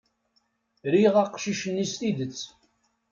Riɣ aqcic-nni s tidet.